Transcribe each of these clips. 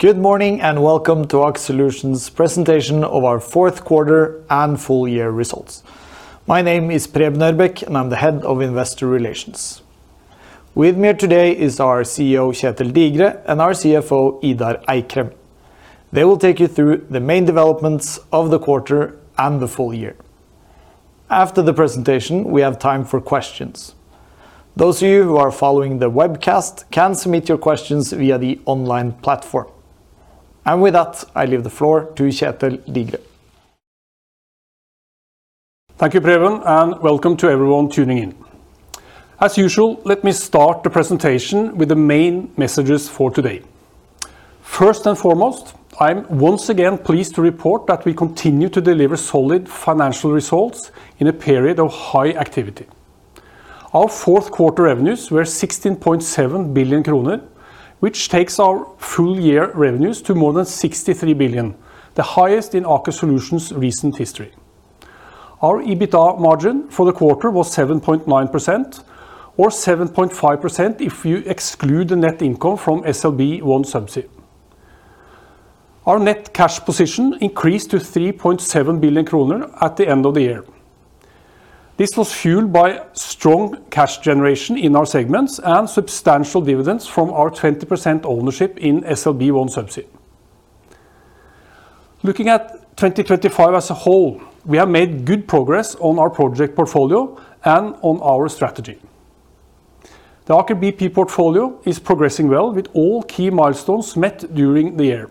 Good morning and welcome to Aker Solutions' presentation of our Fourth Quarter and Full-Year Results. My name is Preben Ørbeck, and I'm the Head of Investor Relations. With me here today is our CEO Kjetel Digre and our CFO Idar Eikrem. They will take you through the main developments of the quarter and the full year. After the presentation, we have time for questions. Those of you who are following the webcast can submit your questions via the online platform. And with that, I leave the floor to Kjetel Digre. Thank you, Preben, and welcome to everyone tuning in. As usual, let me start the presentation with the main messages for today. First and foremost, I'm once again pleased to report that we continue to deliver solid financial results in a period of high activity. Our fourth quarter revenues were 16.7 billion kroner, which takes our full-year revenues to more than 63 billion, the highest in Aker Solutions' recent history. Our EBITDA margin for the quarter was 7.9%, or 7.5% if you exclude the net income from SLB OneSubsea. Our net cash position increased to 3.7 billion kroner at the end of the year. This was fueled by strong cash generation in our segments and substantial dividends from our 20% ownership in SLB OneSubsea. Looking at 2025 as a whole, we have made good progress on our project portfolio and on our strategy. The Aker BP portfolio is progressing well with all key milestones met during the year.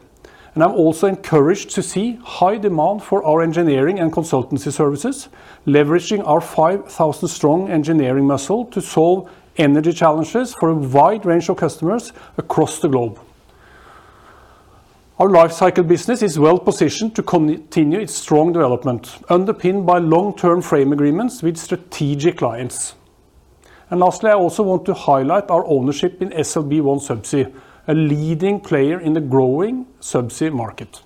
I'm also encouraged to see high demand for our engineering and consultancy services, leveraging our 5,000-strong engineering muscle to solve energy challenges for a wide range of customers across the globe. Our Life Cycle business is well positioned to continue its strong development, underpinned by long-term frame agreements with strategic clients. Lastly, I also want to highlight our ownership in OneSubsea, a leading player in the growing subsea market.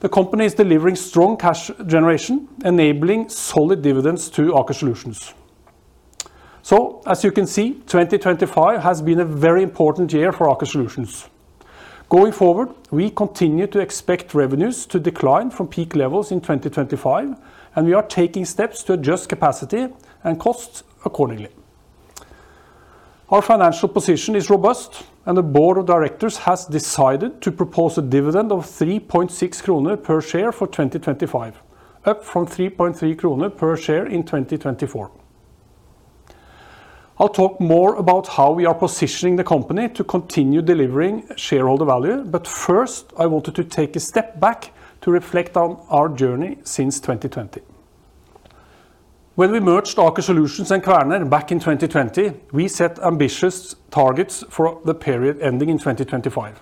The company is delivering strong cash generation, enabling solid dividends to Aker Solutions. As you can see, 2025 has been a very important year for Aker Solutions. Going forward, we continue to expect revenues to decline from peak levels in 2025, and we are taking steps to adjust capacity and costs accordingly. Our financial position is robust, and the board of directors has decided to propose a dividend of 3.6 kroner per share for 2025, up from 3.3 kroner per share in 2024. I'll talk more about how we are positioning the company to continue delivering shareholder value, but first I wanted to take a step back to reflect on our journey since 2020. When we merged Aker Solutions and Kvaerner back in 2020, we set ambitious targets for the period ending in 2025.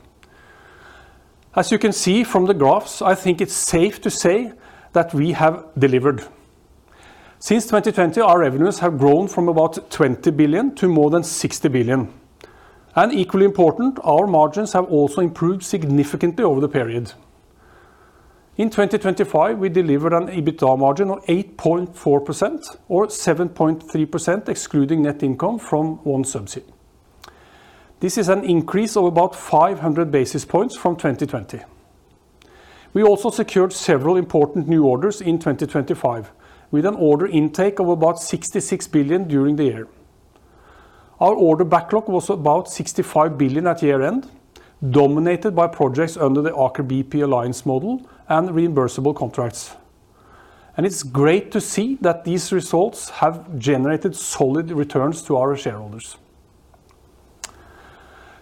As you can see from the graphs, I think it's safe to say that we have delivered. Since 2020, our revenues have grown from about 20 billion to more than 60 billion. And equally important, our margins have also improved significantly over the period. In 2025, we delivered an EBITDA margin of 8.4%, or 7.3% excluding net income from OneSubsea. This is an increase of about 500 basis points from 2020. We also secured several important new orders in 2025, with an order intake of about 66 billion during the year. Our order backlog was about 65 billion at year-end, dominated by projects under the Aker BP Alliance Model and reimbursable contracts. It's great to see that these results have generated solid returns to our shareholders.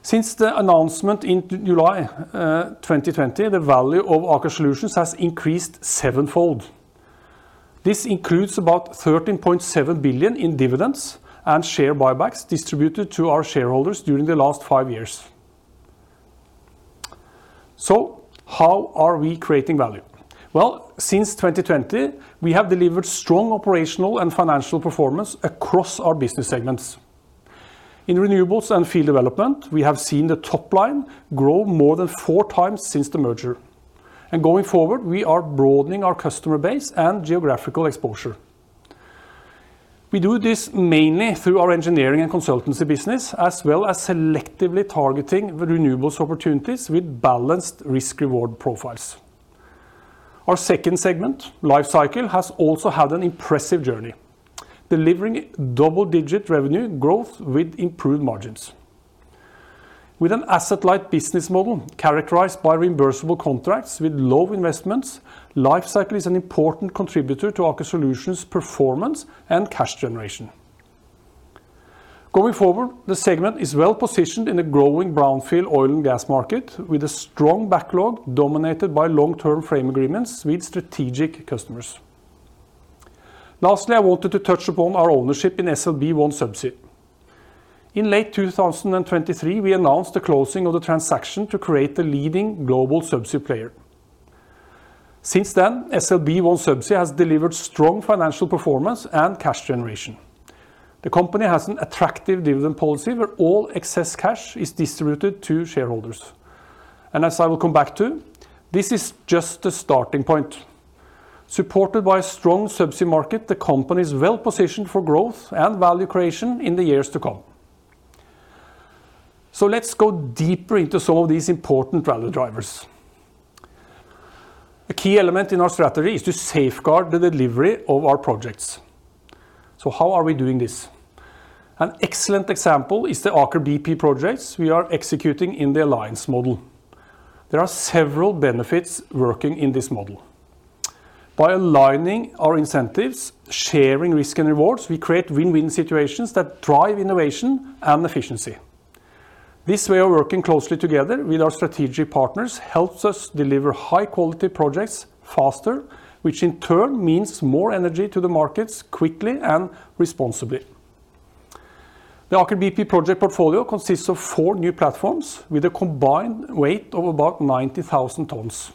Since the announcement in July 2020, the value of Aker Solutions has increased sevenfold. This includes about 13.7 billion in dividends and share buybacks distributed to our shareholders during the last five years. So, how are we creating value? Well, since 2020, we have delivered strong operational and financial performance across our business segments. In Renewables and Field Development, we have seen the top line grow more than 4x since the merger. Going forward, we are broadening our customer base and geographical exposure. We do this mainly through our engineering and consultancy business, as well as selectively targeting renewables opportunities with balanced risk-reward profiles. Our second segment, Lifecycle, has also had an impressive journey, delivering double-digit revenue growth with improved margins. With an asset-light business model characterized by reimbursable contracts with low investments, Lifecycle is an important contributor to Aker Solutions' performance and cash generation. Going forward, the segment is well positioned in a growing brownfield oil and gas market with a strong backlog dominated by long-term frame agreements with strategic customers. Lastly, I wanted to touch upon our ownership in OneSubsea. In late 2023, we announced the closing of the transaction to create the leading global subsea player. Since then, OneSubsea has delivered strong financial performance and cash generation. The company has an attractive dividend policy where all excess cash is distributed to shareholders. As I will come back to, this is just the starting point. Supported by a strong subsea market, the company is well positioned for growth and value creation in the years to come. Let's go deeper into some of these important value drivers. A key element in our strategy is to safeguard the delivery of our projects. How are we doing this? An excellent example is the Aker BP projects we are executing in the Alliance model. There are several benefits working in this model. By aligning our incentives, sharing risk and rewards, we create win-win situations that drive innovation and efficiency. This way of working closely together with our strategic partners helps us deliver high-quality projects faster, which in turn means more energy to the markets quickly and responsibly. The Aker BP project portfolio consists of four new platforms with a combined weight of about 90,000 tons.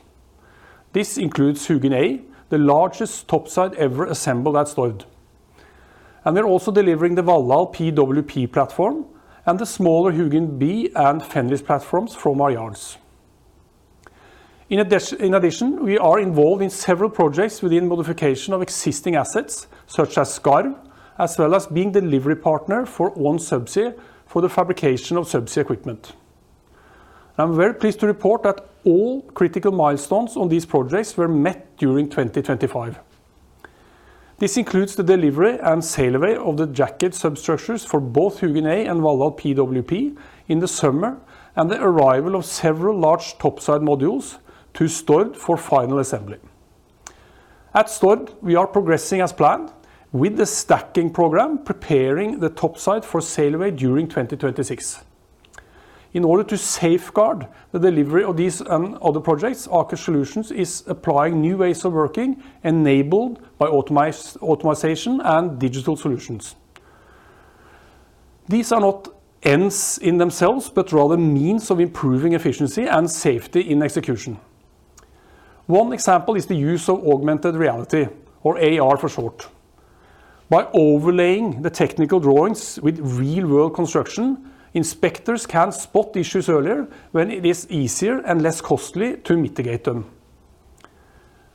This includes Hugin A, the largest topside ever assembled at Stord. We're also delivering the Valhall PWP platform and the smaller Hugin B and Fenris platforms from Verdal. In addition, we are involved in several projects within modification of existing assets, such as Skarv, as well as being delivery partner for OneSubsea for the fabrication of subsea equipment. I'm very pleased to report that all critical milestones on these projects were met during 2025. This includes the delivery and sail away of the jacket substructures for both Hugin A and Valhall PWP in the summer, and the arrival of several large topside modules to Stord for final assembly. At Stord, we are progressing as planned, with a stacking program preparing the topside for sail away during 2026. In order to safeguard the delivery of these and other projects, Aker Solutions is applying new ways of working enabled by automation and digital solutions. These are not ends in themselves, but rather means of improving efficiency and safety in execution. One example is the use of augmented reality, or AR for short. By overlaying the technical drawings with real-world construction, inspectors can spot issues earlier when it is easier and less costly to mitigate them.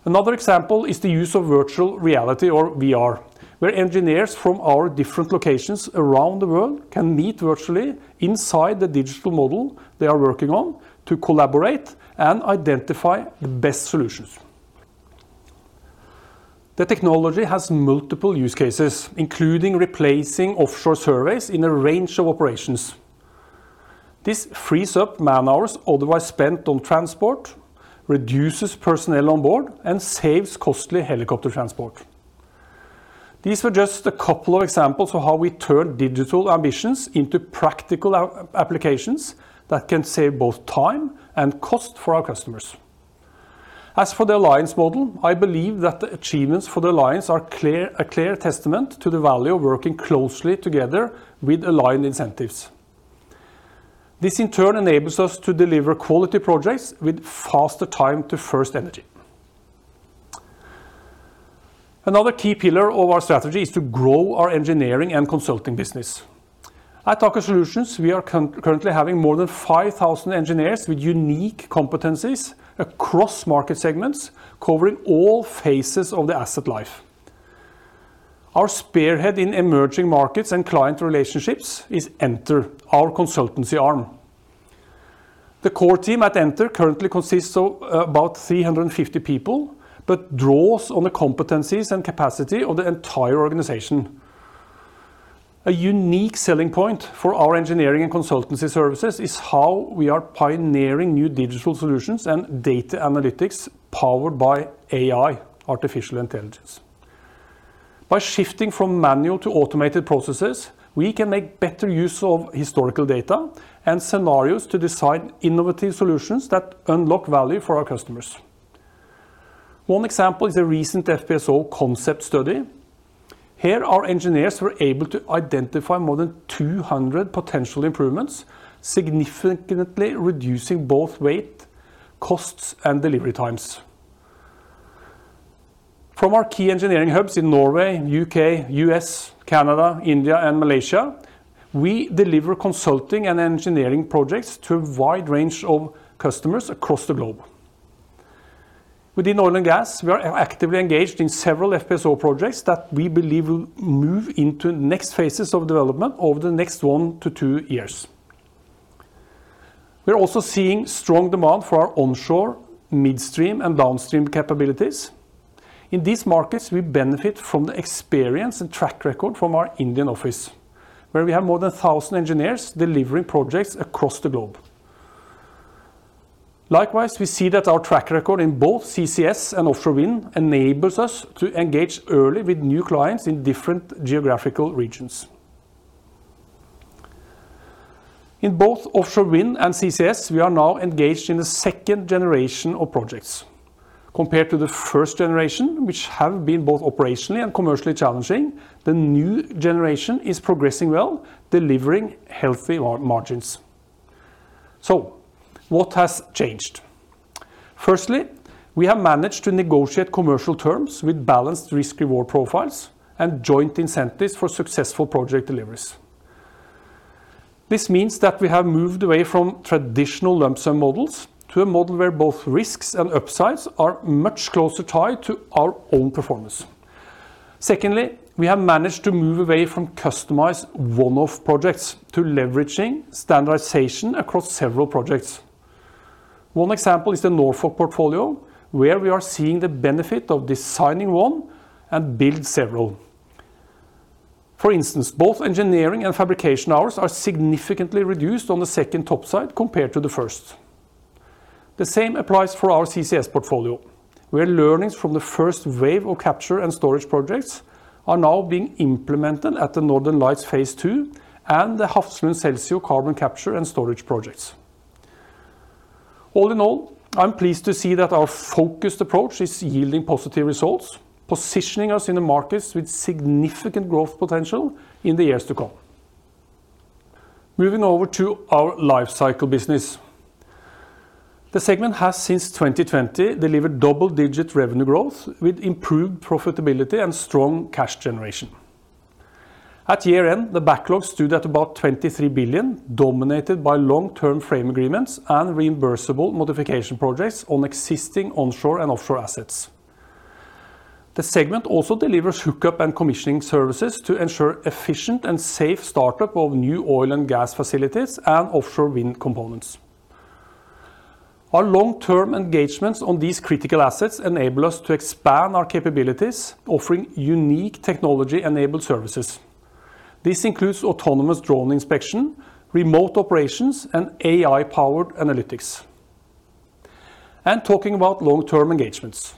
Another example is the use of virtual reality, or VR, where engineers from our different locations around the world can meet virtually inside the digital model they are working on to collaborate and identify the best solutions. The technology has multiple use cases, including replacing offshore surveys in a range of operations. This frees up man-hours otherwise spent on transport, reduces personnel on board, and saves costly helicopter transport. These were just a couple of examples of how we turn digital ambitions into practical applications that can save both time and cost for our customers. As for the Alliance Model, I believe that the achievements for the Alliance are a clear testament to the value of working closely together with aligned incentives. This in turn enables us to deliver quality projects with faster time to first energy. Another key pillar of our strategy is to grow our engineering and consulting business. At Aker Solutions, we are currently having more than 5,000 engineers with unique competencies across market segments, covering all phases of the asset life. Our spearhead in emerging markets and client relationships is ent, our consultancy arm. The core team at ent currently consists of about 350 people, but draws on the competencies and capacity of the entire organization. A unique selling point for our engineering and consultancy services is how we are pioneering new digital solutions and data analytics powered by AI, artificial intelligence. By shifting from manual to automated processes, we can make better use of historical data and scenarios to design innovative solutions that unlock value for our customers. One example is a recent FPSO concept study. Here, our engineers were able to identify more than 200 potential improvements, significantly reducing both weight, costs, and delivery times. From our key engineering hubs in Norway, U.K., U.S., Canada, India, and Malaysia, we deliver consulting and engineering projects to a wide range of customers across the globe. Within oil and gas, we are actively engaged in several FPSO projects that we believe will move into next phases of development over the next 1-2 years. We are also seeing strong demand for our onshore, midstream, and downstream capabilities. In these markets, we benefit from the experience and track record from our Indian office, where we have more than 1,000 engineers delivering projects across the globe. Likewise, we see that our track record in both CCS and Offshore Wind enables us to engage early with new clients in different geographical regions. In both Offshore Wind and CCS, we are now engaged in the second generation of projects. Compared to the first generation, which have been both operationally and commercially challenging, the new generation is progressing well, delivering healthy margins. So, what has changed? Firstly, we have managed to negotiate commercial terms with balanced risk-reward profiles and joint incentives for successful project deliveries. This means that we have moved away from traditional lump-sum models to a model where both risks and upsides are much closer tied to our own performance. Secondly, we have managed to move away from customized one-off projects to leveraging standardization across several projects. One example is the Norfolk Portfolio, where we are seeing the benefit of designing one and building several. For instance, both engineering and fabrication hours are significantly reduced on the second topside compared to the first. The same applies for our CCS portfolio, where learnings from the first wave of capture and storage projects are now being implemented at the Northern Lights Phase II and the Hafslund Celsio carbon capture and storage projects. All in all, I'm pleased to see that our focused approach is yielding positive results, positioning us in the markets with significant growth potential in the years to come. Moving over to our Lifecycle business. The segment has since 2020 delivered double-digit revenue growth with improved profitability and strong cash generation. At year-end, the backlog stood at about 23 billion, dominated by long-term frame agreements and reimbursable modification projects on existing onshore and offshore assets. The segment also delivers hookup and commissioning services to ensure efficient and safe startup of new oil and gas facilities and offshore wind components. Our long-term engagements on these critical assets enable us to expand our capabilities, offering unique technology-enabled services. This includes autonomous drone inspection, remote operations, and AI-powered analytics. Talking about long-term engagements.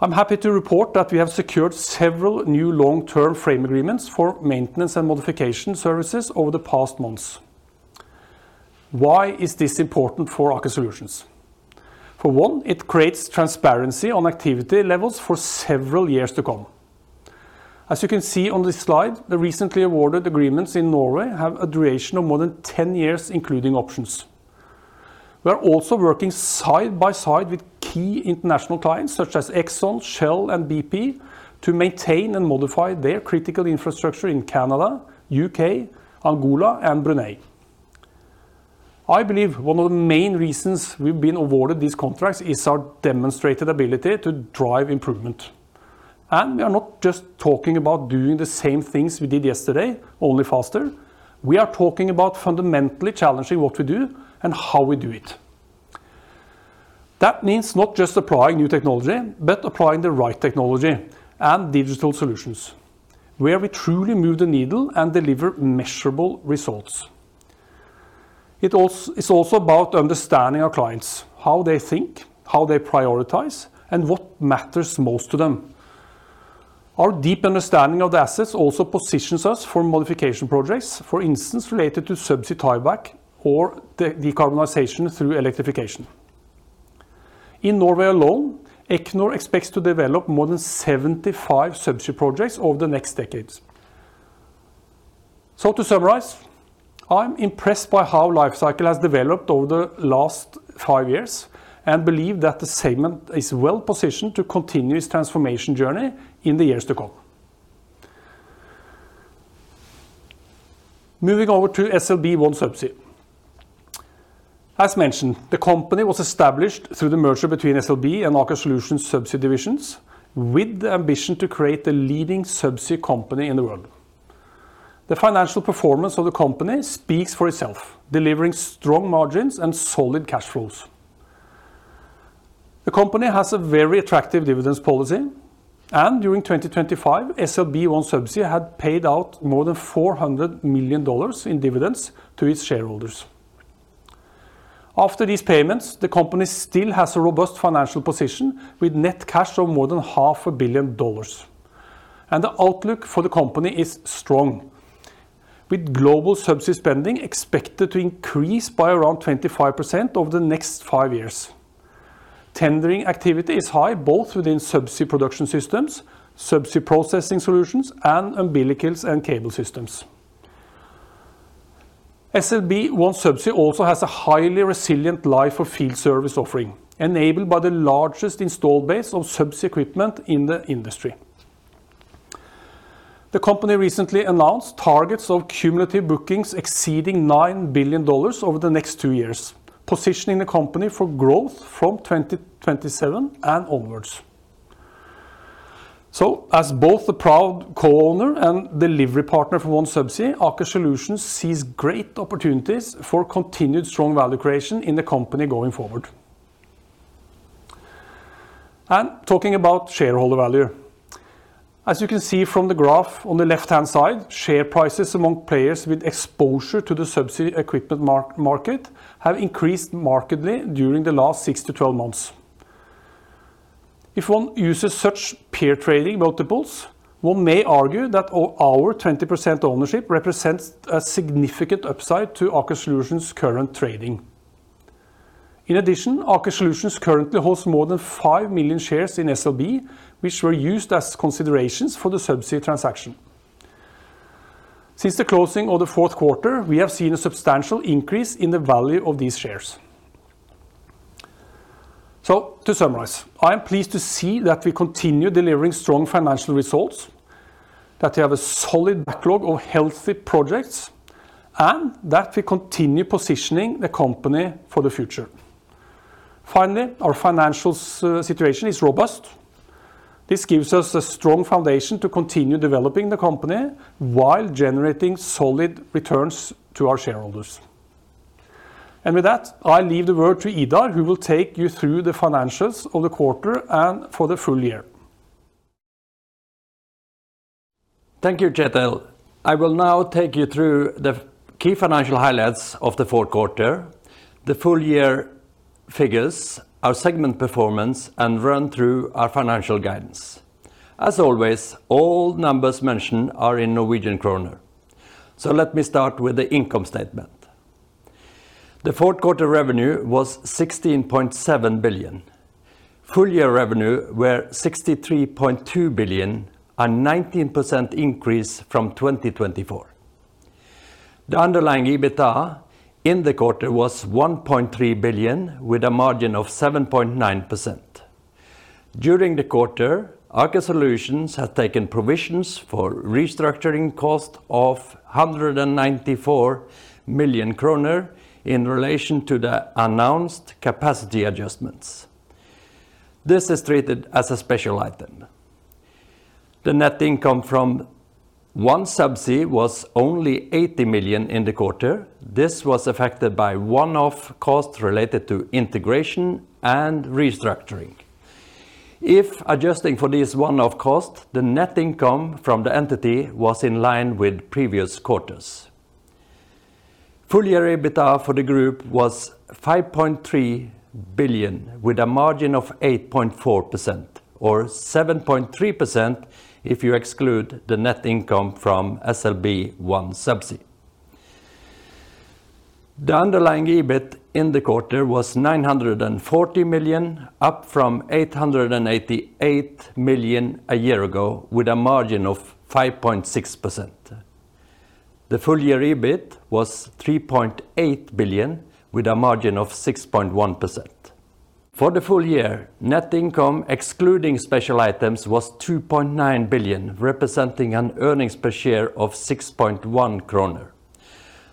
I'm happy to report that we have secured several new long-term frame agreements for maintenance and modification services over the past months. Why is this important for Aker Solutions? For one, it creates transparency on activity levels for several years to come. As you can see on this slide, the recently awarded agreements in Norway have a duration of more than 10 years, including options. We are also working side by side with key international clients such as Exxon, Shell, and BP to maintain and modify their critical infrastructure in Canada, the U.K., Angola, and Brunei. I believe one of the main reasons we've been awarded these contracts is our demonstrated ability to drive improvement. We are not just talking about doing the same things we did yesterday, only faster. We are talking about fundamentally challenging what we do and how we do it. That means not just applying new technology, but applying the right technology and digital solutions, where we truly move the needle and deliver measurable results. It is also about understanding our clients, how they think, how they prioritize, and what matters most to them. Our deep understanding of the assets also positions us for modification projects, for instance, related to subsea tie-back or decarbonization through electrification. In Norway alone, Equinor expects to develop more than 75 subsea projects over the next decade. To summarize, I'm impressed by how Lifecycle has developed over the last 5 years and believe that the segment is well positioned to continue its transformation journey in the years to come. Moving over to OneSubsea. As mentioned, the company was established through the merger between SLB and Aker Solutions subsea divisions, with the ambition to create the leading subsea company in the world. The financial performance of the company speaks for itself, delivering strong margins and solid cash flows. The company has a very attractive dividends policy. During 2025, OneSubsea had paid out more than $400 million in dividends to its shareholders. After these payments, the company still has a robust financial position with net cash of more than $500 million. The outlook for the company is strong, with global subsea spending expected to increase by around 25% over the next five years. Tendering activity is high both within subsea production systems, subsea processing solutions, and umbilicals and cable systems. OneSubsea also has a highly resilient life-of-field service offering, enabled by the largest installed base of subsea equipment in the industry. The company recently announced targets of cumulative bookings exceeding $9 billion over the next two years, positioning the company for growth from 2027 and onwards. As both the proud co-owner and delivery partner for OneSubsea, Aker Solutions sees great opportunities for continued strong value creation in the company going forward. Talking about shareholder value. As you can see from the graph on the left-hand side, share prices among players with exposure to the subsea equipment market have increased markedly during the last 6-12 months. If one uses such peer trading multiples, one may argue that our 20% ownership represents a significant upside to Aker Solutions' current trading. In addition, Aker Solutions currently holds more than 5 million shares in SLB, which were used as considerations for the subsea transaction. Since the closing of the fourth quarter, we have seen a substantial increase in the value of these shares. So to summarize, I am pleased to see that we continue delivering strong financial results, that we have a solid backlog of healthy projects, and that we continue positioning the company for the future. Finally, our financial situation is robust. This gives us a strong foundation to continue developing the company while generating solid returns to our shareholders. With that, I leave the word to Idar, who will take you through the financials of the quarter and for the full year. Thank you, Kjetel. I will now take you through the key financial highlights of the fourth quarter, the full-year figures, our segment performance, and run through our financial guidance. As always, all numbers mentioned are in Norwegian kroner. Let me start with the income statement. The fourth quarter revenue was 16.7 billion. Full-year revenue were 63.2 billion, a 19% increase from 2024. The underlying EBITDA in the quarter was 1.3 billion, with a margin of 7.9%. During the quarter, Aker Solutions has taken provisions for restructuring costs of 194 million kroner in relation to the announced capacity adjustments. This is treated as a special item. The net income from OneSubsea was only 80 million in the quarter. This was affected by one-off costs related to integration and restructuring. If adjusting for these one-off costs, the net income from the entity was in line with previous quarters. Full-year EBITDA for the group was 5.3 billion, with a margin of 8.4%, or 7.3% if you exclude the net income from OneSubsea. The underlying EBIT in the quarter was 940 million, up from 888 million a year ago, with a margin of 5.6%. The full-year EBIT was 3.8 billion, with a margin of 6.1%. For the full year, net income excluding special items was 2.9 billion, representing an earnings per share of 6.1 kroner.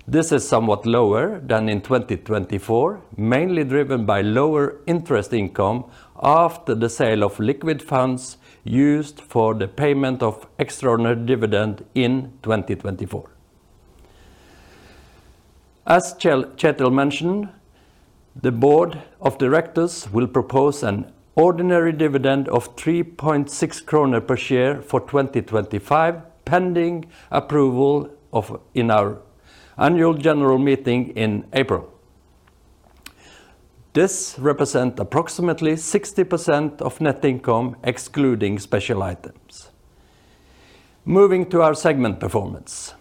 This is somewhat lower than in 2024, mainly driven by lower interest income after the sale of liquid funds used for the payment of extraordinary dividend in 2024. As Kjetel mentioned, the board of directors will propose an ordinary dividend of 3.6 krone per share for 2025, pending approval in our annual general meeting in April. This represents approximately 60% of net income excluding special items. Moving to our segment performance.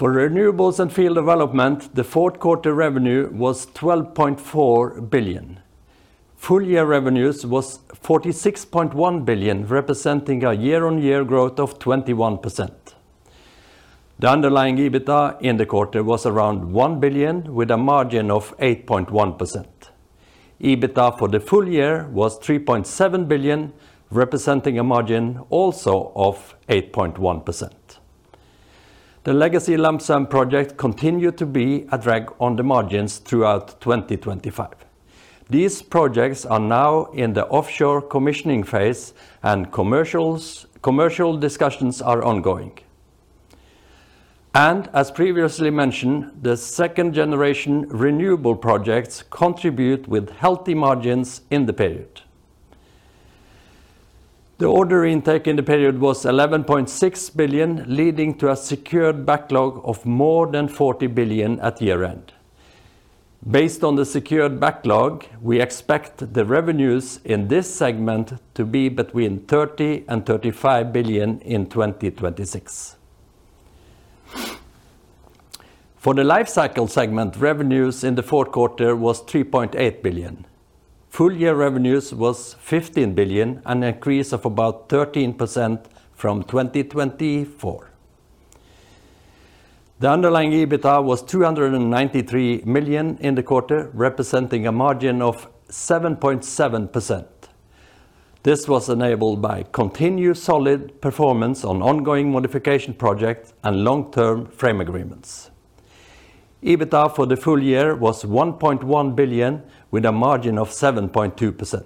For renewables and field development, the fourth quarter revenue was 12.4 billion. Full-year revenues were 46.1 billion, representing a year-on-year growth of 21%. The underlying EBITDA in the quarter was around 1 billion, with a margin of 8.1%. EBITDA for the full year was 3.7 billion, representing a margin also of 8.1%. The legacy lump-sum projects continue to be a drag on the margins throughout 2025. These projects are now in the offshore commissioning phase, and commercial discussions are ongoing. And as previously mentioned, the second-generation renewable projects contribute with healthy margins in the period. The order intake in the period was 11.6 billion, leading to a secured backlog of more than 40 billion at year-end. Based on the secured backlog, we expect the revenues in this segment to be between 30 billion and 35 billion in 2026. For the Lifecycle segment, revenues in the fourth quarter were 3.8 billion. Full-year revenues were 15 billion, an increase of about 13% from 2024. The underlying EBITDA was 293 million in the quarter, representing a margin of 7.7%. This was enabled by continued solid performance on ongoing modification projects and long-term frame agreements. EBITDA for the full year was 1.1 billion, with a margin of 7.2%.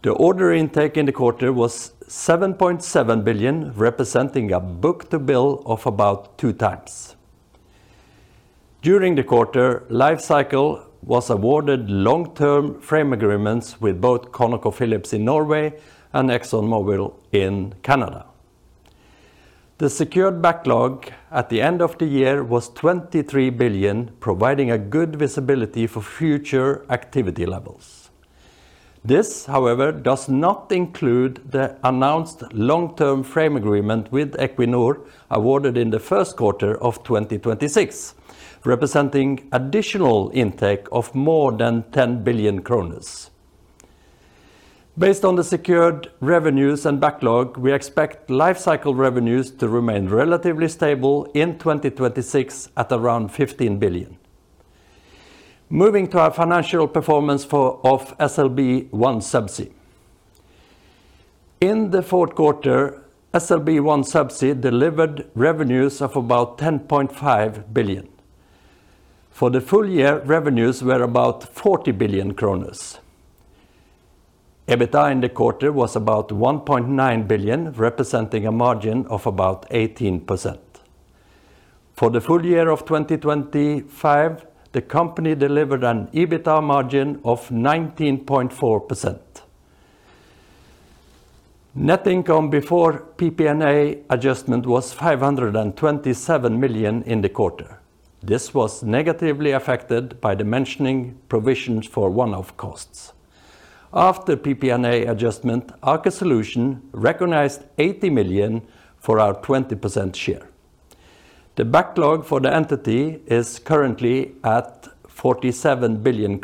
The order intake in the quarter was 7.7 billion, representing a Book-to-Bill of about 2x. During the quarter, Lifecycle was awarded long-term frame agreements with both ConocoPhillips in Norway and ExxonMobil in Canada. The secured backlog at the end of the year was 23 billion, providing a good visibility for future activity levels. This, however, does not include the announced long-term frame agreement with Equinor awarded in the first quarter of 2026, representing additional intake of more than 10 billion kroner. Based on the secured revenues and backlog, we expect Lifecycle revenues to remain relatively stable in 2026 at around 15 billion. Moving to our financial performance of OneSubsea. In the fourth quarter, OneSubsea delivered revenues of about 10.5 billion. For the full year, revenues were about 40 billion kroner. EBITDA in the quarter was about 1.9 billion, representing a margin of about 18%. For the full year of 2025, the company delivered an EBITDA margin of 19.4%. Net income before PPA adjustment was 527 million in the quarter. This was negatively affected by the pension provisions for one-off costs. After PPA adjustment, Aker Solutions recognized 80 million for our 20% share. The backlog for the entity is currently at 47 billion.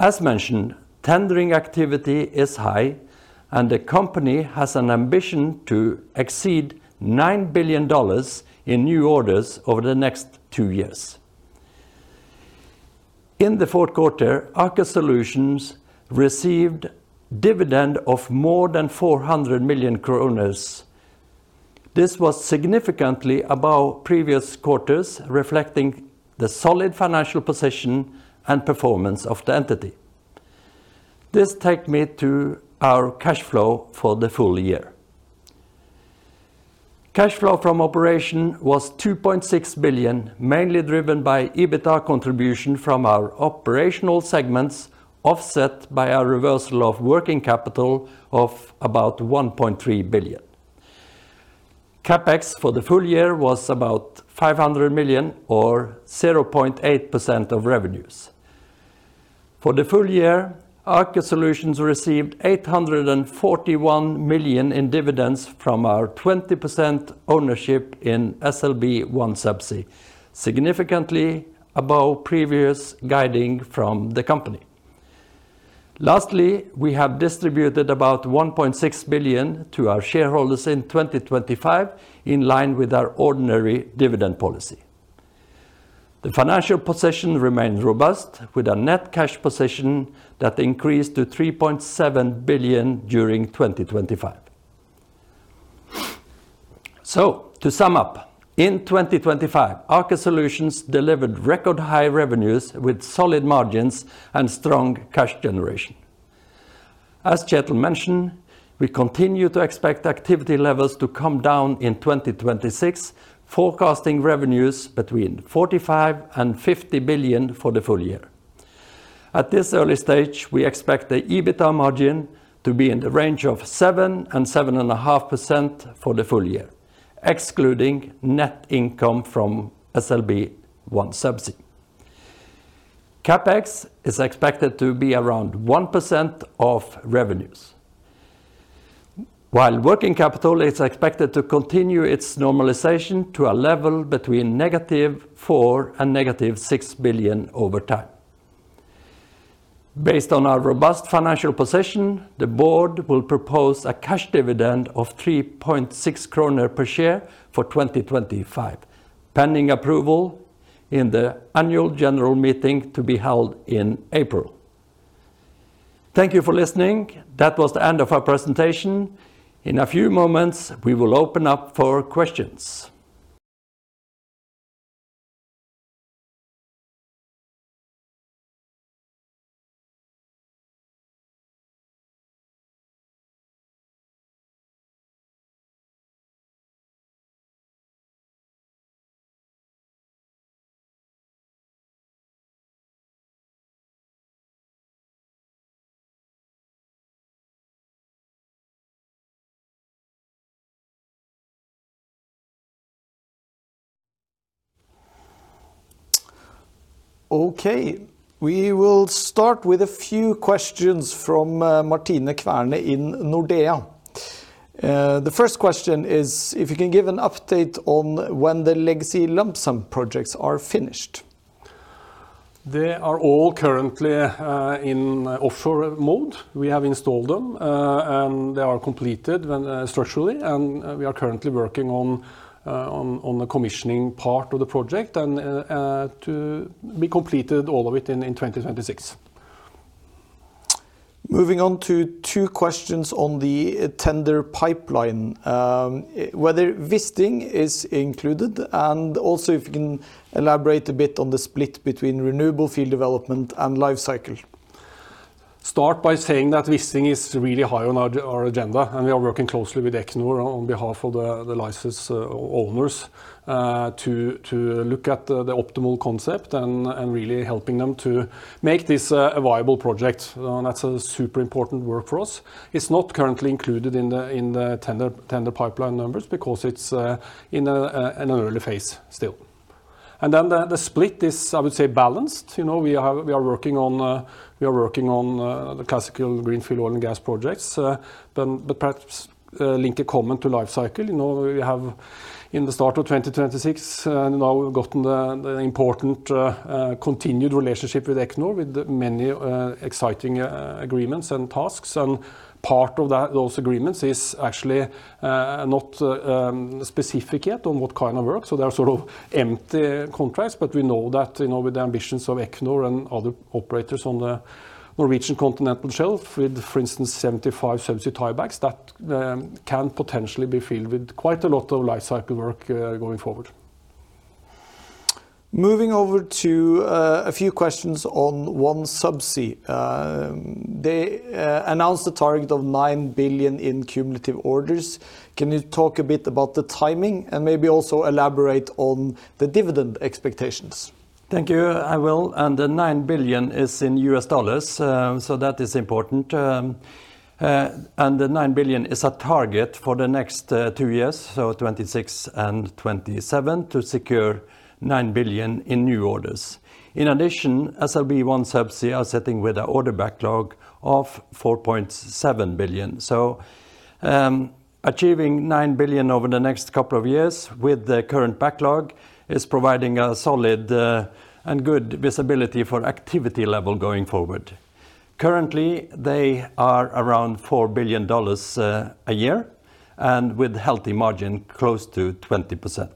As mentioned, tendering activity is high, and the company has an ambition to exceed $9 billion in new orders over the next two years. In the fourth quarter, Aker Solutions received a dividend of more than 400 million kroner. This was significantly above previous quarters, reflecting the solid financial position and performance of the entity. This takes me to our cash flow for the full year. Cash flow from operation was 2.6 billion, mainly driven by EBITDA contribution from our operational segments, offset by a reversal of working capital of about 1.3 billion. CapEx for the full year was about 500 million, or 0.8% of revenues. For the full year, Aker Solutions received 841 million in dividends from our 20% ownership in OneSubsea, significantly above previous guiding from the company. Lastly, we have distributed about 1.6 billion to our shareholders in 2025, in line with our ordinary dividend policy. The financial position remained robust, with a net cash position that increased to 3.7 billion during 2025. So to sum up, in 2025, Aker Solutions delivered record-high revenues with solid margins and strong cash generation. As Kjetel mentioned, we continue to expect activity levels to come down in 2026, forecasting revenues between 45 billion and 50 billion for the full year. At this early stage, we expect the EBITDA margin to be in the range of 7%-7.5% for the full year, excluding net income from OneSubsea. CapEx is expected to be around 1% of revenues, while working capital is expected to continue its normalization to a level between -4 billion and -6 billion over time. Based on our robust financial position, the board will propose a cash dividend of 3.6 kroner per share for 2025, pending approval in the annual general meeting to be held in April. Thank you for listening. That was the end of our presentation. In a few moments, we will open up for questions. Okay, we will start with a few questions from Martine Kverne in Nordea. The first question is if you can give an update on when the legacy lump-sum projects are finished. They are all currently in offshore mode. We have installed them, and they are completed structurally. And we are currently working on the commissioning part of the project and to be completed all of it in 2026. Moving on to two questions on the tender pipeline. Whether Wisting is included, and also if you can elaborate a bit on the split between renewable field development and Lifecycle. Start by saying that Wisting is really high on our agenda, and we are working closely with Equinor on behalf of the license owners to look at the optimal concept and really helping them to make this viable project. That's a super important work for us. It's not currently included in the tender pipeline numbers because it's in an early phase still. And then the split is, I would say, balanced. We are working on the classical greenfield oil and gas projects. But perhaps link it common to Lifecycle. We have, in the start of 2026, now gotten the important, continued relationship with Equinor with many, exciting agreements and tasks. Part of those agreements is actually not specific yet on what kind of work. So they are sort of empty contracts. But we know that, you know, with the ambitions of Equinor and other operators on the Norwegian Continental Shelf, with, for instance, 75 subsea tie-backs, that can potentially be filled with quite a lot of Lifecycle work going forward. Moving over to a few questions on OneSubsea. They announced a target of $9 billion in cumulative orders. Can you talk a bit about the timing and maybe also elaborate on the dividend expectations? Thank you. I will. And the $9 billion is in US dollars, so that is important. The 9 billion is a target for the next two years, so 2026 and 2027, to secure 9 billion in new orders. In addition, OneSubsea is sitting with an order backlog of 4.7 billion. So achieving 9 billion over the next couple of years with the current backlog is providing a solid and good visibility for activity level going forward. Currently, they are around $4 billion a year and with a healthy margin close to 20%.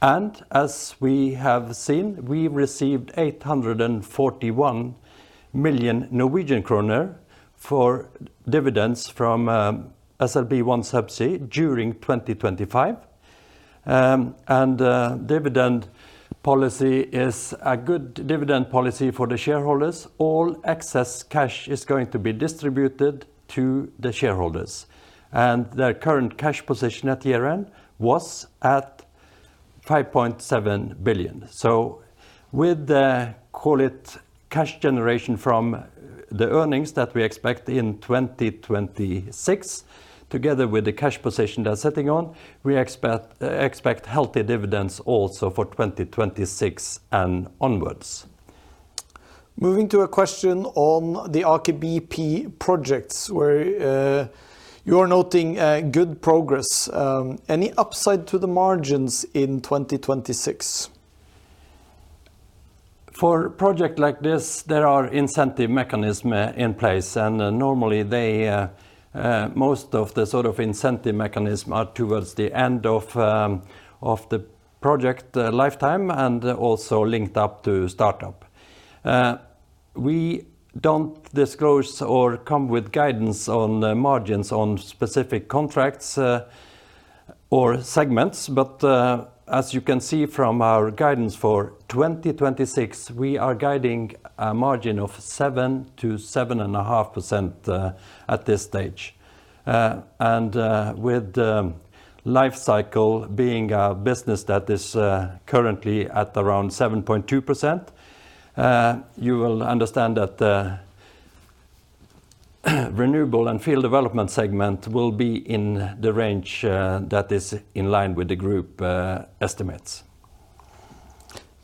And as we have seen, we received 841 million Norwegian kroner for dividends from OneSubsea during 2025. And dividend policy is a good dividend policy for the shareholders. All excess cash is going to be distributed to the shareholders. And their current cash position at year-end was at 5.7 billion. So with, call it, cash generation from the earnings that we expect in 2026, together with the cash position they're sitting on, we expect healthy dividends also for 2026 and onwards. Moving to a question on the Aker BP projects, where, you are noting, good progress. Any upside to the margins in 2026? For a project like this, there are incentive mechanisms in place. And normally, most of the sort of incentive mechanisms are towards the end of the project lifetime and also linked up to startup. We don't disclose or come with guidance on margins on specific contracts, or segments. But, as you can see from our guidance for 2026, we are guiding a margin of 7%-7.5% at this stage. With Lifecycle being a business that is currently at around 7.2%, you will understand that the renewable and field development segment will be in the range that is in line with the group estimates.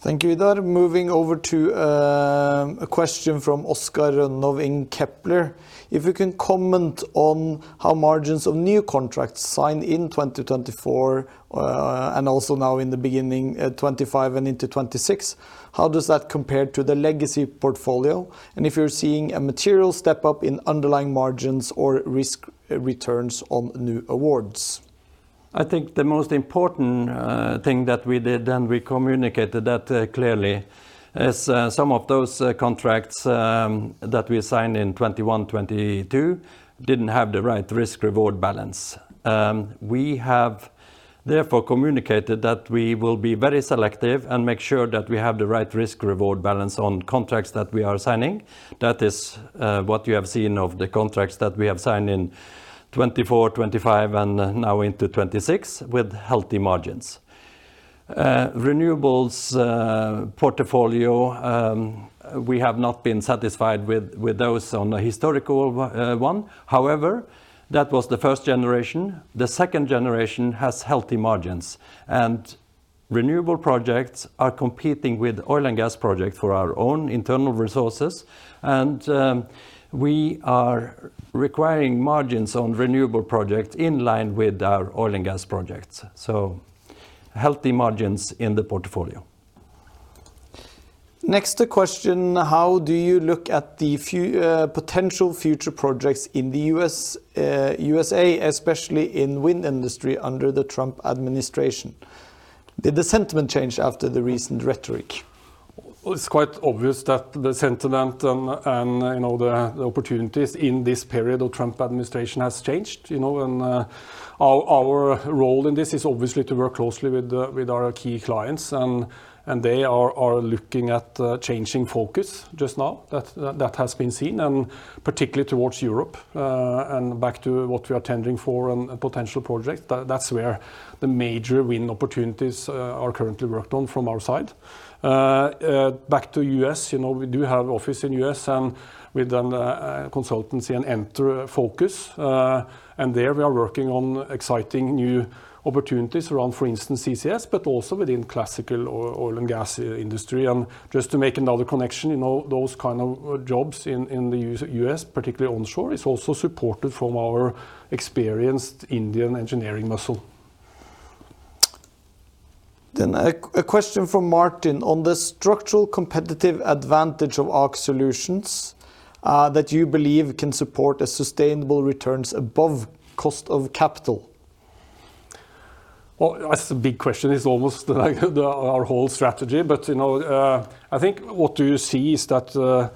Thank you, Idar. Moving over to a question from Oskar Rønnov in Kepler. If you can comment on how margins of new contracts signed in 2024, and also now in the beginning of 2025 and into 2026, how does that compare to the legacy portfolio? And if you're seeing a material step up in underlying margins or risk returns on new awards? I think the most important thing that we did and we communicated that clearly is some of those contracts that we signed in 2021, 2022 didn't have the right risk-reward balance. We have therefore communicated that we will be very selective and make sure that we have the right risk-reward balance on contracts that we are signing. That is, what you have seen of the contracts that we have signed in 2024, 2025, and now into 2026 with healthy margins. Renewables portfolio, we have not been satisfied with those on the historical one. However, that was the first generation. The second generation has healthy margins. And renewable projects are competing with oil and gas projects for our own internal resources. And, we are requiring margins on renewable projects in line with our oil and gas projects. So healthy margins in the portfolio. Next question. How do you look at the potential future projects in the U.S.A., especially in the wind industry under the Trump administration? Did the sentiment change after the recent rhetoric? It's quite obvious that the sentiment and, you know, the opportunities in this period of the Trump administration have changed. You know, and our role in this is obviously to work closely with our key clients. They are looking at changing focus just now. That has been seen, and particularly towards Europe and back to what we are tendering for and potential projects. That's where the major wind opportunities are currently worked on from our side. Back to the U.S., you know, we do have an office in the U.S. with consultancy and engineering focus. And there we are working on exciting new opportunities around, for instance, CCS, but also within the classical oil and gas industry. And just to make another connection, you know, those kind of jobs in the U.S., particularly onshore, are also supported from our experienced Indian engineering muscle. Then a question from Martin. On the structural competitive advantage of Aker Solutions that you believe can support sustainable returns above cost of capital? Well, that's a big question. It's almost our whole strategy. But, you know, I think what you see is that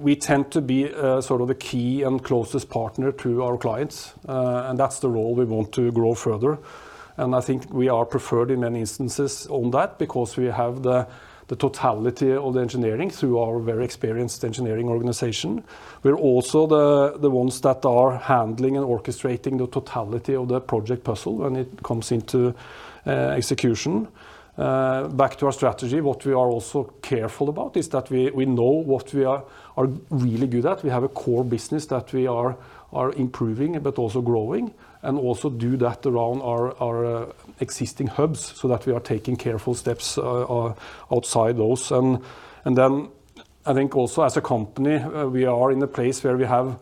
we tend to be sort of the key and closest partner to our clients. And that's the role we want to grow further. And I think we are preferred in many instances on that because we have the totality of the engineering through our very experienced engineering organization. We're also the ones that are handling and orchestrating the totality of the project puzzle when it comes into execution. Back to our strategy, what we are also careful about is that we know what we are really good at. We have a core business that we are improving, but also growing, and also do that around our existing hubs so that we are taking careful steps outside those. And then I think also, as a company, we are in a place where we have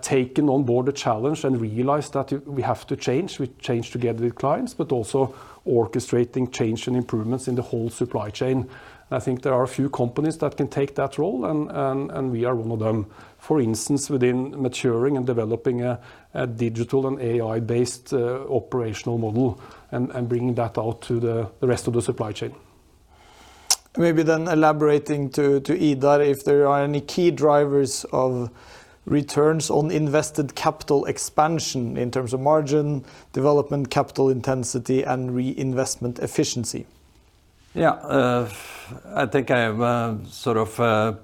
taken on board the challenge and realized that we have to change. We change together with clients, but also orchestrating change and improvements in the whole supply chain. And I think there are a few companies that can take that role. And we are one of them. For instance, within maturing and developing a digital and AI-based operational model and bringing that out to the rest of the supply chain. Maybe then elaborating to Idar if there are any key drivers of returns on invested capital expansion in terms of margin, development capital intensity, and reinvestment efficiency. Yeah. I think I will sort of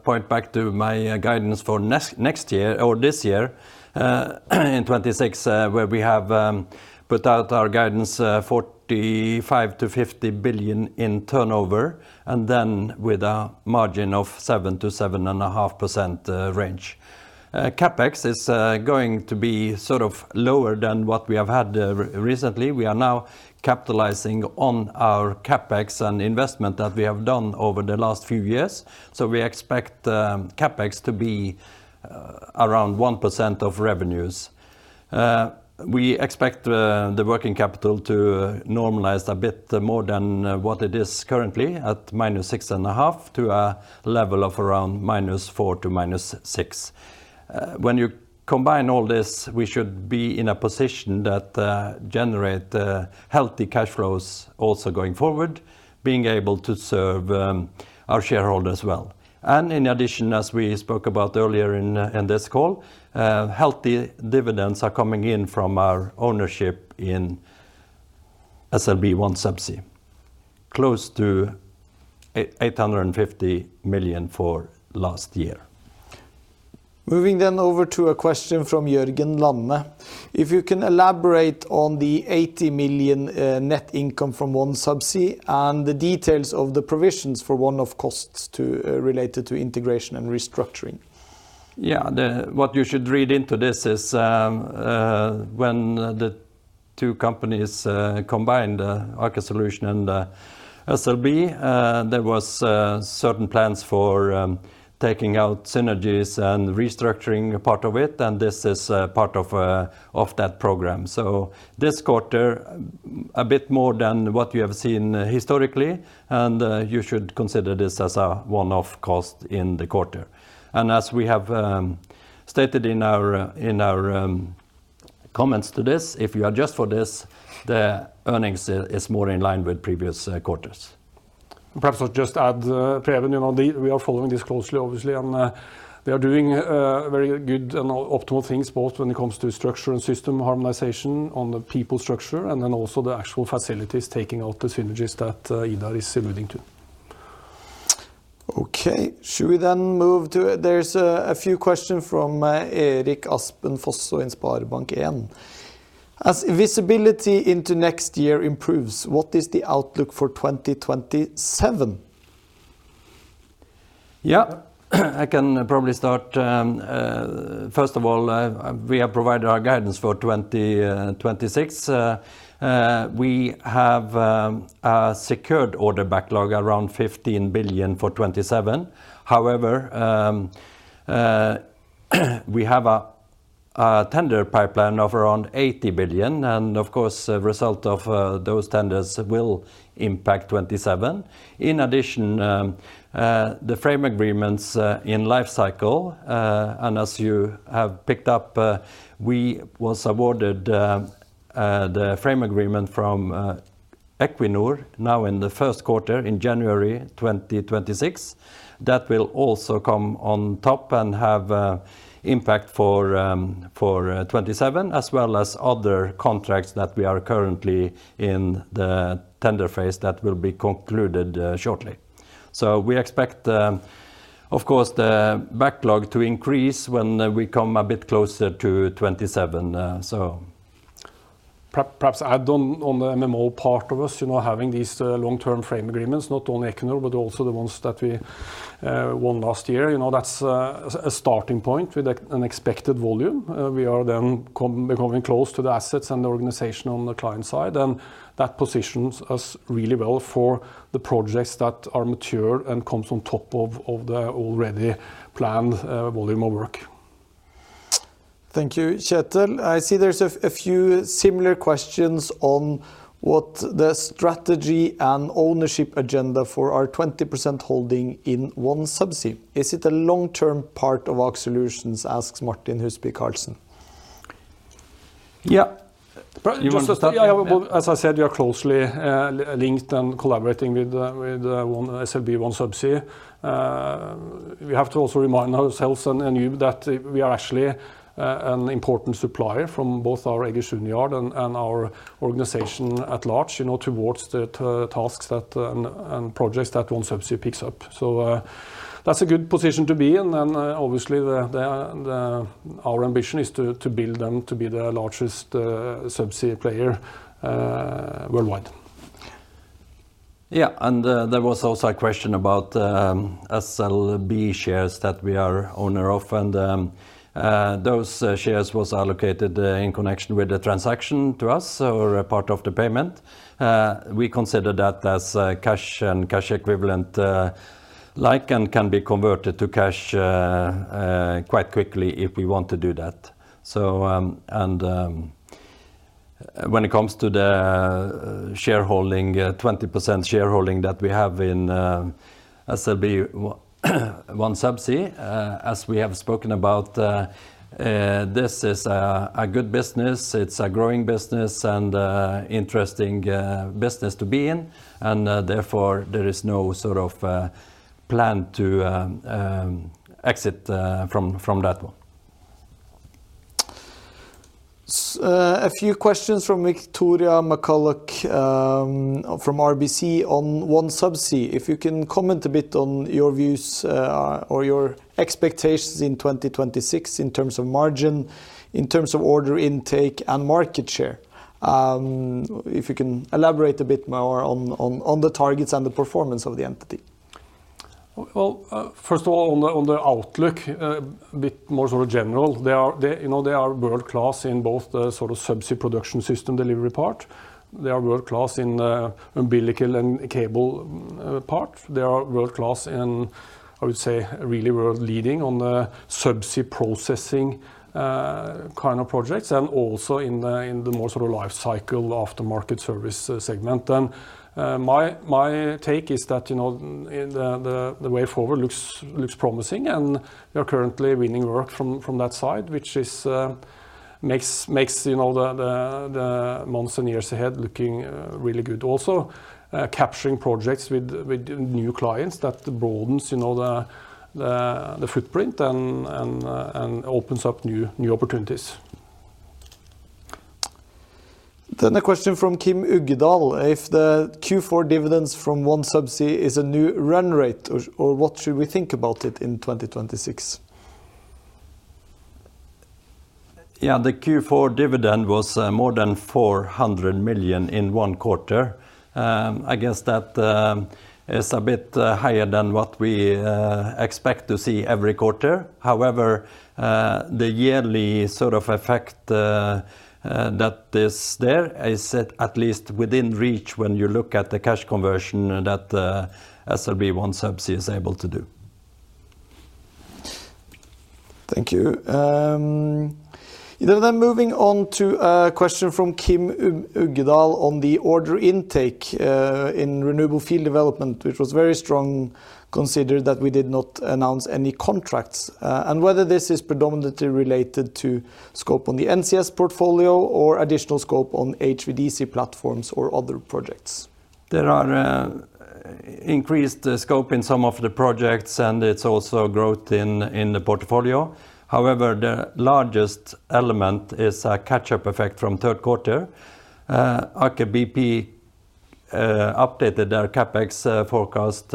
point back to my guidance for next year or this year, in 2026, where we have put out our guidance, 45 billion- 50 billion in turnover and then with a margin of 7%-7.5% range. CapEx is going to be sort of lower than what we have had recently. We are now capitalizing on our CapEx and investment that we have done over the last few years. So we expect CapEx to be around 1% of revenues. We expect the working capital to normalize a bit more than what it is currently at -6.5% to a level of around -4% to -6%. When you combine all this, we should be in a position that generates healthy cash flows also going forward, being able to serve our shareholders well. In addition, as we spoke about earlier in this call, healthy dividends are coming in from our ownership in OneSubsea, close to $850 million for last year. Moving then over to a question from Jørgen Lande. If you can elaborate on the $80 million net income from OneSubsea and the details of the provisions for one-off costs related to integration and restructuring. Yeah. What you should read into this is, when the two companies, combined, Aker Solutions and SLB, there were certain plans for taking out synergies and restructuring part of it. And this is part of that program. So this quarter, a bit more than what you have seen historically. And you should consider this as a one-off cost in the quarter. As we have stated in our comments to this, if you adjust for this, the earnings are more in line with previous quarters. Perhaps I'll just add, Preben, you know, we are following this closely, obviously. And we are doing very good and optimal things both when it comes to structure and system harmonization on the people structure and then also the actual facilities taking out the synergies that Idar is alluding to. Okay. Should we then move to it? There's a few questions from Erik Aspen Fosså in SpareBank 1. As visibility into next year improves, what is the outlook for 2027? Yeah. I can probably start. First of all, we have provided our guidance for 2026. We have a secured order backlog around 15 billion for 2027. However, we have a tender pipeline of around 80 billion. Of course, the result of those tenders will impact 2027. In addition, the frame agreements in Lifecycle, and as you have picked up, we were awarded the frame agreement from Equinor now in the first quarter, in January 2026. That will also come on top and have impact for 2027 as well as other contracts that we are currently in the tender phase that will be concluded shortly. So we expect, of course, the backlog to increase when we come a bit closer to 2027. Perhaps add on the MMO part of us, you know, having these long-term frame agreements, not only Equinor, but also the ones that we won last year. You know, that's a starting point with an expected volume. We are then becoming close to the assets and the organization on the client side. And that positions us really well for the projects that are mature and come on top of the already planned volume of work. Thank you, Kjetel. I see there's a few similar questions on what the strategy and ownership agenda for our 20% holding in OneSubsea. Is it a long-term part of Aker Solutions? asks Martin Huseby Karlsen. Yeah. Perhaps just to start, as I said, we are closely linked and collaborating with SLB OneSubsea. We have to also remind ourselves and you that we are actually an important supplier from both our Egersund and our organization at large, you know, towards the tasks and projects that OneSubsea picks up. So that's a good position to be. And obviously, our ambition is to build them to be the largest Subsea player worldwide. Yeah. And there was also a question about, SLB shares that we are owner of. Those shares were allocated in connection with a transaction to us or a part of the payment. We consider that as cash and cash equivalent-like and can be converted to cash, quite quickly if we want to do that. When it comes to the shareholding, 20% shareholding that we have in OneSubsea, as we have spoken about, this is a good business. It's a growing business and an interesting business to be in. And therefore, there is no sort of plan to exit from that one. A few questions from Victoria McCulloch from RBC on OneSubsea. If you can comment a bit on your views or your expectations in 2026 in terms of margin, in terms of order intake, and market share. If you can elaborate a bit more on the targets and the performance of the entity. Well, first of all, on the outlook, a bit more sort of general. They are world-class in both the sort of subsea production system delivery part. They are world-class in umbilical and cable part. They are world-class in, I would say, really world-leading on the subsea processing kind of projects and also in the more sort of lifecycle aftermarket service segment. And my take is that, you know, the way forward looks promising. And we are currently winning work from that side, which makes, you know, the months and years ahead looking really good also, capturing projects with new clients that broadens, you know, the footprint and opens up new opportunities. Then a question from Kim Uggedal. If the Q4 dividends from OneSubsea is a new run rate, or what should we think about it in 2026? Yeah. The Q4 dividend was more than $400 million in one quarter. I guess that is a bit higher than what we expect to see every quarter. However, the yearly sort of effect that is there is at least within reach when you look at the cash conversion that OneSubsea is able to do. Thank you. Then moving on to a question from Kim Uggedal on the order intake in renewable field development, which was very strong considering that we did not announce any contracts. And whether this is predominantly related to scope on the NCS portfolio or additional scope on HVDC platforms or other projects. There is increased scope in some of the projects, and it's also growth in the portfolio. However, the largest element is a catch-up effect from third quarter. Aker BP updated their CapEx forecast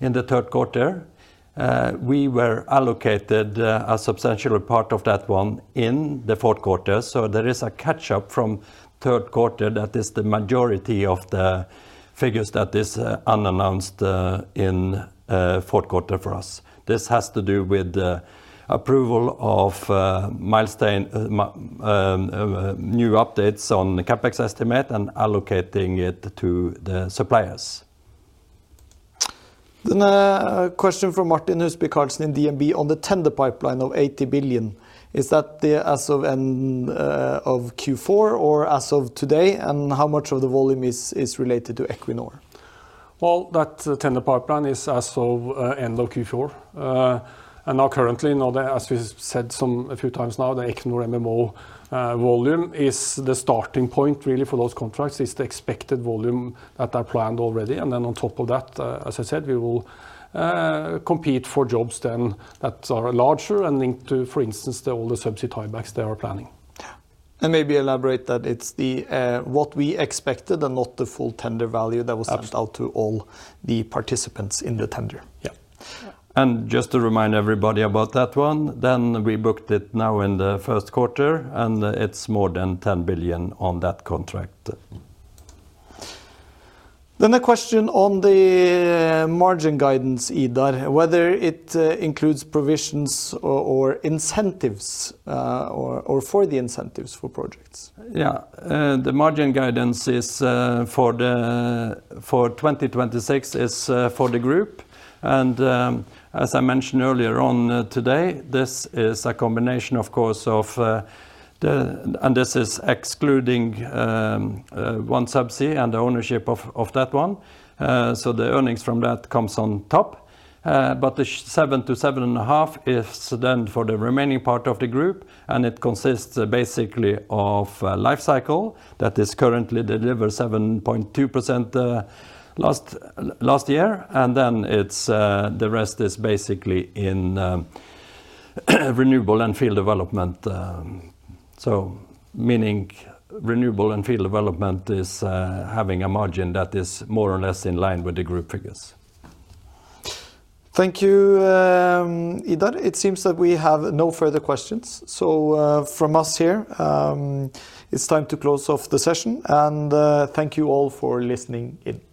in the third quarter. We were allocated a substantial part of that one in the fourth quarter. So there is a catch-up from third quarter that is the majority of the figures that are unannounced in fourth quarter for us. This has to do with the approval of milestone, new updates on the CapEx estimate and allocating it to the suppliers. Then a question from Martin Huseby Karlsen, DNB, on the tender pipeline of 80 billion. Is that as of end of Q4 or as of today? And how much of the volume is related to Equinor? Well, that tender pipeline is as of end of Q4. And now currently, as we said a few times now, the Equinor MMO volume is the starting point, really, for those contracts. It's the expected volume that are planned already. And then on top of that, as I said, we will compete for jobs then that are larger and linked to, for instance, all the subsea tie-backs they are planning. And maybe elaborate that it's what we expected and not the full tender value that was sent out to all the participants in the tender. Yeah. And just to remind everybody about that one, then we booked it now in the first quarter. And it's more than 10 billion on that contract. Then a question on the margin guidance, Idar, whether it includes provisions or incentives or for the incentives for projects. Yeah. The margin guidance is for the for 2026 is for the group. And as I mentioned earlier on today, this is a combination, of course, of the and this is excluding OneSubsea and the ownership of that one. So the earnings from that comes on top. But the 7%-7.5% is then for the remaining part of the group. And it consists basically of Lifecycle that is currently delivered 7.2% last year. And then the rest is basically in renewable and field development. So meaning renewable and field development is having a margin that is more or less in line with the group figures. Thank you, Idar. It seems that we have no further questions. So from us here, it's time to close off the session. And thank you all for listening in.